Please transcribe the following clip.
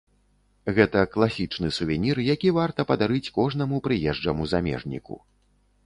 Гэта класічны сувенір, які варта падарыць кожнаму прыезджаму замежніку.